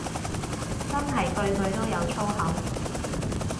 真係句句都有粗口